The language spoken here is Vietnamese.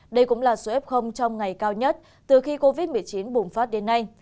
đây cũng là số f trong ngày cao nhất từ khi covid một mươi chín bùng phát đến nay